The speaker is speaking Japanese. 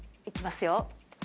いきますよ。